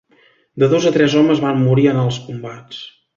De dos a tres homes van morir en els combats.